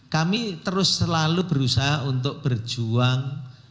jadi terus selalu berusaha untuk berjuang